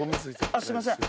あっすいません。